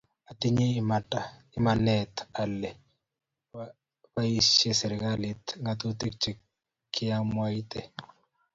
atinye imanit ale barieserikalit ngatutik che kiamwaite